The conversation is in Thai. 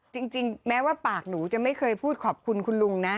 จริงแม้ว่าปากหนูจะไม่เคยพูดขอบคุณคุณลุงนะ